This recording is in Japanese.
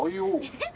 えっ？